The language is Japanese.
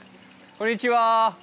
こんにちは。